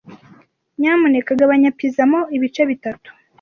Nyamuneka gabanya pizza mo ibice bitatu.